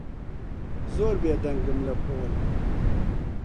زۆر بێدەنگم لە پۆل.